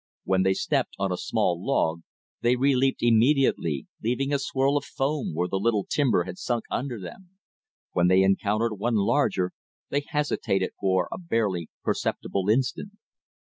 When they stepped on a small log they re leaped immediately, leaving a swirl of foam where the little timber had sunk under them; when they encountered one larger, they hesitated for a barely perceptible instant.